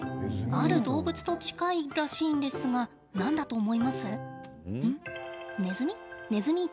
ある動物と近いらしいんですが何だと思います？